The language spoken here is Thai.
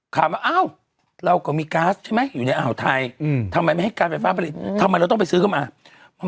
ถามว่าอ้าวเราก็มีก๊าซใช่ไหมอยู่ในอ่าวไทยอืมทำไมไม่ให้การไฟฟ้าผลิตทำไมเราต้องไปซื้อเข้ามาพอ